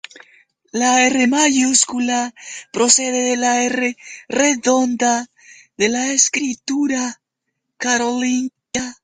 La r minúscula procede de la r redonda de la escritura carolingia.